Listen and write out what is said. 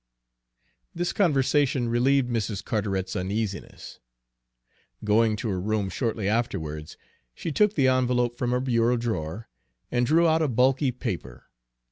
This conversation relieved Mrs. Carteret's uneasiness. Going to her room shortly afterwards, she took the envelope from her bureau drawer and drew out a bulky paper.